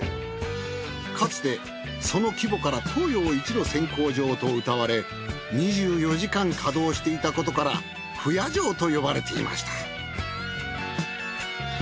かつてその規模から東洋一の選鉱場とうたわれ２４時間稼働していたことから不夜城と呼ばれていました。